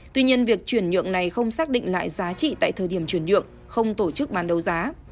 tuy nhiên việc chuyển nhượng này không xác định lại giá trị tại thời điểm chuyển nhượng không tổ chức bán đấu giá